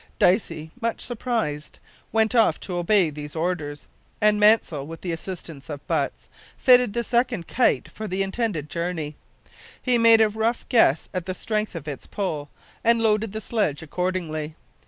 Dicey, much surprised, went off to obey these orders; and Mansell, with the assistance of Butts, fitted the second kite for the intended journey. He made a rough guess at the strength of its pull, and loaded the sledge accordingly.